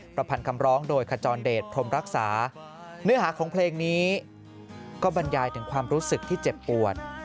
ประพันธ์คำร้องโดยขจรเดชพรมรักษาเนื้อหาของเพลงนี้ก็บรรยายถึงความรู้สึกที่เจ็บปวด